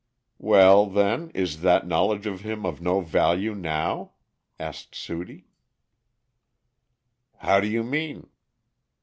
"Well, then, is that knowledge of him of no value now?" asked Sudie. "How do you mean?"